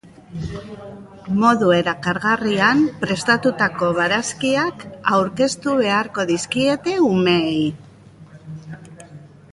Modu erakargarrian prestatutako barazkiak aurkeztu beharko dizkiete umeei.